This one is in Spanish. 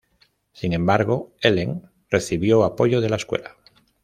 Sin embargo, Helen recibió apoyo de la escuela.